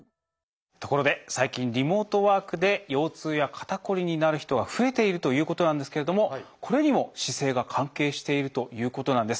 ところで最近リモートワークで腰痛や肩こりになる人が増えているということなんですけれどもこれにも姿勢が関係しているということなんです。